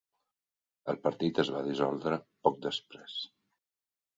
El partit es va dissoldre poc després.